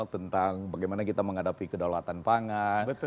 tentang bagaimana kita menghadapi kedaulatan pangan